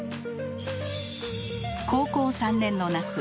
高校３年の夏